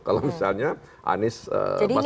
kalau misalnya anies mas wira sering disemprit